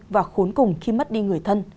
và khốn cùng khi mất đi người thân